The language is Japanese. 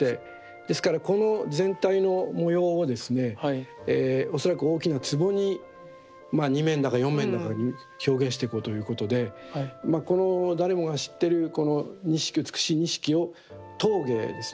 ですからこの全体の模様をですね恐らく大きなつぼに２面だか４面だかに表現していこうということでこの誰もが知ってるこの錦美しい錦を陶芸ですね